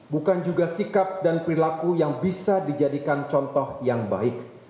bukan juga sikap dan perilaku yang bisa dijadikan contoh yang baik